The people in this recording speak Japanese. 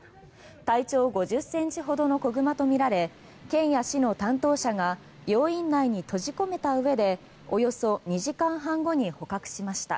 体長５０ｃｍほどの子熊とみられ県や市の担当者が病院内に閉じ込めたうえでおよそ２時間半後に捕獲しました。